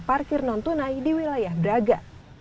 parkir non tunai di wilayah braga